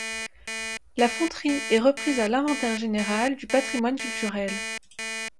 La fonderie est reprise à l'Inventaire général du patrimoine culturel.